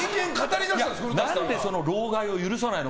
何でその老害を許さないの。